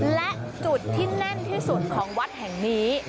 และจุดที่แน่นที่สุดของวัดแห่งนี้